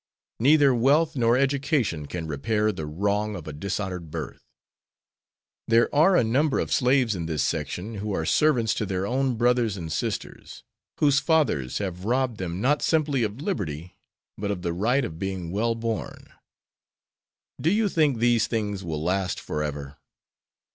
Neither wealth nor education can repair the wrong of a dishonored birth. There are a number of slaves in this section who are servants to their own brothers and sisters; whose fathers have robbed them not simply of liberty but of the right of being well born. Do you think these things will last forever?"